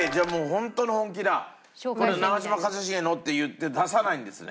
「長嶋一茂の」っていって出さないんですね。